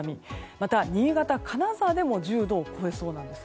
また、新潟、金沢でも１０度を超えそうなんです。